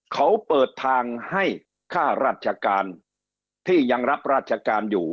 เขาเปิดทางให้ค่าราชการที่ยังรับราชการอยู่